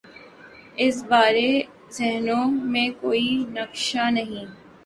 اس بارے ذہنوں میں کوئی نقشہ نہیں۔